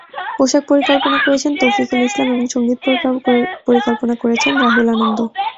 পোশাক পরিকল্পনা করেছেন তৌফিকুল ইসলাম এবং সংগীত পরিকল্পনা করেছেন রাহুল আনন্দ।